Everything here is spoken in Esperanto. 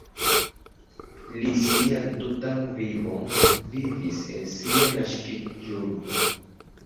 Li sian tutan vivon vivis en sia naskiĝurbo.